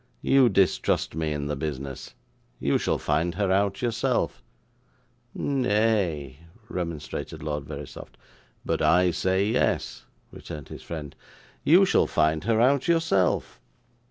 You distrust me in the business you shall find her out yourself.' 'Na ay,' remonstrated Lord Verisopht. 'But I say yes,' returned his friend. 'You shall find her out yourself.